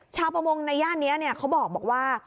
ชาวประมงในย่านนี้เขาบอกว่า